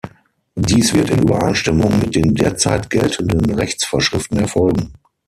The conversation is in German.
Dies wird in Übereinstimmung mit den derzeit geltenden Rechtsvorschriften erfolgen.